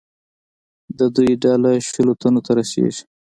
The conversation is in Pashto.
د دوی ډله شلو تنو ته رسېږي.